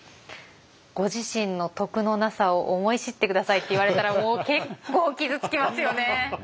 「ご自身の徳のなさを思い知ってください」って言われたらもう結構傷つきますよね。